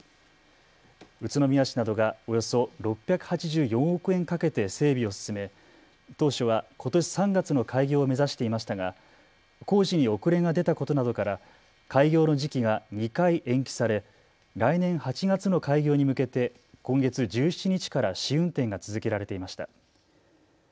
宇都宮市などがおよそ６８４億円かけて整備を進め当初はことし３月の開業を目指していましたが工事に遅れが出たことなどから開業の時期が２回延期され来年８月の開業に向けて今月１７日から試運転が続けられていました。